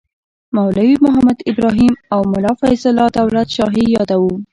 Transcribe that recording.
مولوي محمد ابراهیم او ملا فیض الله دولت شاهي یادوو.